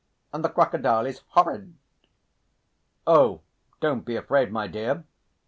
and the crocodile is horrid." "Oh, don't be afraid, my dear!"